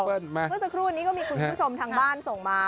เมื่อสักครู่นี้ก็มีคุณผู้ชมทางบ้านส่งมา